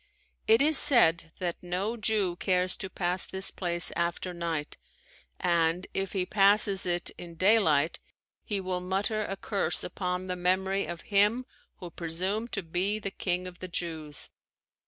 It is said that no Jew cares to pass this place after night and if he passes it in daylight he will mutter a curse upon the memory of him who presumed to be the King of the Jews.